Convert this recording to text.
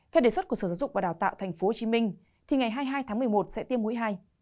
theo đề xuất của sở giáo dục và đào tạo thành phố hồ chí minh ngày hai mươi hai tháng một mươi một sẽ tiêm mũi hai